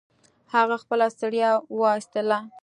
هغه خپله ستړيا يې و ايستله.